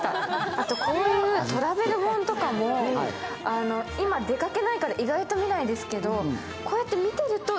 あとこういうトラベル本とかも、今出かけないから意外と見ないですけど。